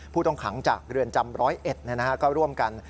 ผู้ต้องขังจากเรือนจำ๑๐๑ก็ร่วมกัน